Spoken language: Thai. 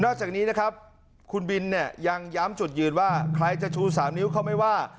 จากนี้นะครับคุณบินเนี่ยยังย้ำจุดยืนว่าใครจะชู๓นิ้วเขาไม่ว่า